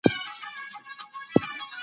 حق ته د رسېدو دپاره قرباني پکار ده.